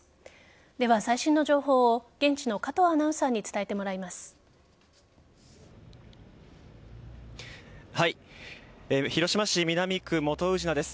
では、最新の情報を現地の加藤アナウンサーに広島市南区元宇品です。